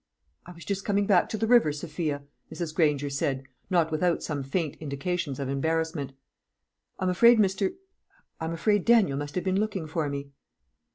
"I was just coming back to the river, Sophia," Mrs. Granger said, not without some faint indications of embarrassment. "I'm afraid Mr. I'm afraid Daniel must have been looking for me."